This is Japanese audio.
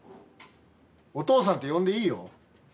お父さんって呼んでいいよ。